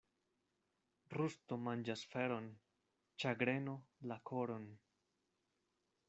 Rusto manĝas feron, ĉagreno la koron.